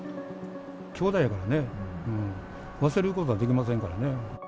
兄弟やからね、忘れることはできませんからね。